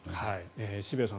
渋谷さん